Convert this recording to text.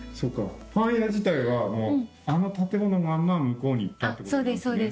パン屋自体はあの建物のまんま向こうに行ったってこと。